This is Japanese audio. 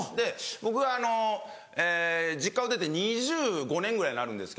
僕は実家を出て２５年ぐらいになるんですけど。